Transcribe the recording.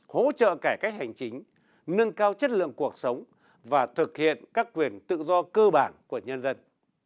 hỗ trợ cải cách hành chính nâng cao chất lượng cuộc sống và thực hiện các quyền tự do cơ bản của nhân dân